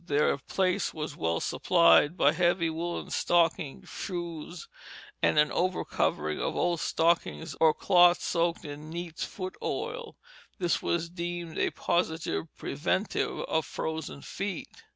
Their place was well supplied by heavy woollen stockings, shoes, and an over covering of old stockings, or cloth soaked in neat's foot oil; this was deemed a positive preventive of frozen feet.